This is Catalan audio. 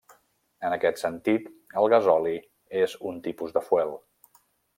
En aquest sentit, el gasoli és un tipus de fuel.